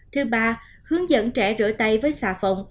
thứ ba hướng dẫn trẻ rửa tay với xà phòng